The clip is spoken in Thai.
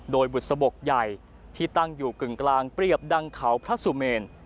โดยบุษบกใหญ่ที่ตั้งอยู่กึ่งกลางเปรียบดังเขาพระสุเมน